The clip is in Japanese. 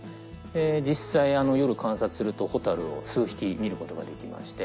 実際夜観察するとホタルを数匹見ることができまして。